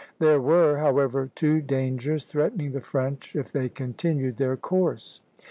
There were, however, two dangers threatening the French if they continued their course.